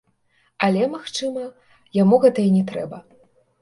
Але, магчыма, яму гэта і не трэба.